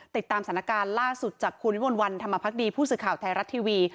ติดตามสถานการณ์ล่าสุดจากคุณวิมวลวันธรรมพักดีผู้สื่อข่าวไทยรัฐทีวี